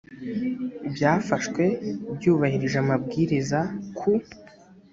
byafashwe byubahirije amabwiriza ku